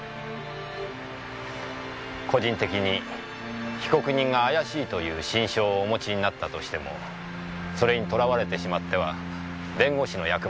個人的に被告人が怪しいという心証をお持ちになったとしてもそれにとらわれてしまっては弁護士の役目は果たせない。